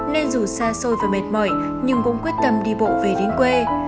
nên dù xa xôi và mệt mỏi nhưng cũng quyết tâm đi bộ về đến quê